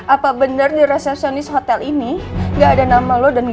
apa bener di resepsionis hotel ini gak ada nama lo dan gue